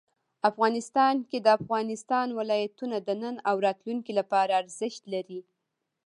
افغانستان کې د افغانستان ولايتونه د نن او راتلونکي لپاره ارزښت لري.